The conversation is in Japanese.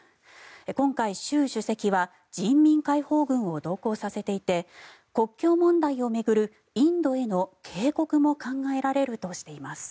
今回、習主席は人民解放軍を同行させていて国境問題を巡るインドへの警告も考えられるとしています。